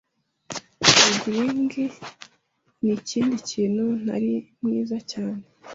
Juggling nikindi kintu ntari mwiza cyane.